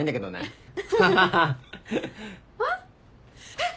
えっ！